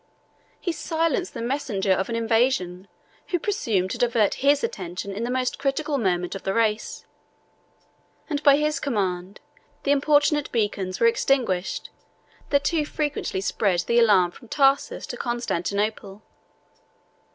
He silenced the messenger of an invasion, who presumed to divert his attention in the most critical moment of the race; and by his command, the importunate beacons were extinguished, that too frequently spread the alarm from Tarsus to Constantinople.